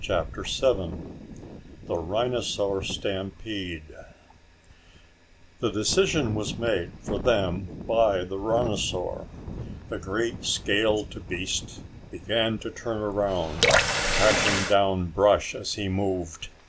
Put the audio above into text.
CHAPTER SEVEN The Rhinosaur Stampede The decision was made for them by the rhinosaur. The great scaled beast began to turn around, crashing down brush as he moved.